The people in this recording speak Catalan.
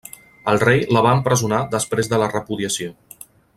El rei la va empresonar després de la repudiació.